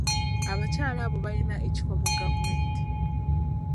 Abakyala abo balina ekifo mu gavumenti.